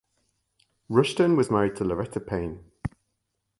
Rushton was married to Loretta Payne.